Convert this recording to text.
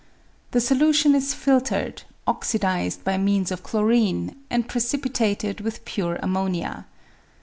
The solution is filtered, oxidised by means of chlorine, and precipitated with pure ammonia.